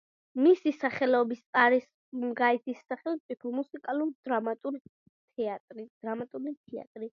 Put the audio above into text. მისი სახელობის არის სუმგაითის სახელმწიფო მუსიკალურ-დრამატული თეატრი.